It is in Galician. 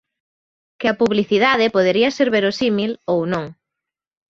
Que a publicidade podería ser verosímil ou non.